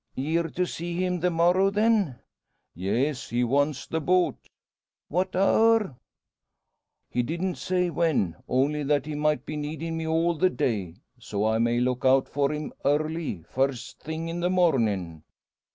"Ye're to see him the morrow, then?" "Yes; he wants the boat." "What hour?" "He didn't say when, only that he might be needin' me all the day. So I may look out for him early first thing in the mornin'."